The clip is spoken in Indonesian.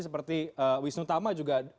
seperti wisnu tama juga